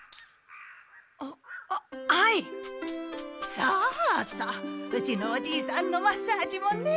そうそううちのおじいさんのマッサージもね。